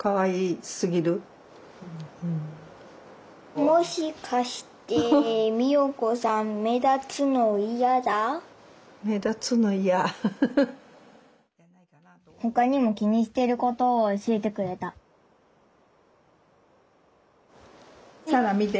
もしかしてほかにも気にしてることをおしえてくれたサナ見て。